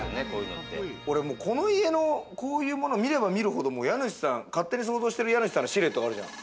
俺、この家のこういうものを見れば見るほど、家主さん、勝手に想像してる家主さんのシルエットがあるじゃん。